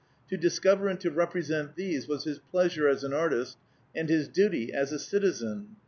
To discover and to represent these was his pleasure as an artist, and his duty as a citizen.